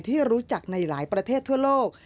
ที่รู้จักในหลายประเทศทั่วโลก